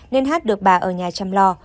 nên hát được bà ở nhà chăm lo